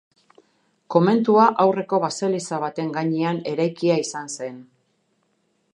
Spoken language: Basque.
Komentua aurreko baseliza baten gainean eraikia izan zen.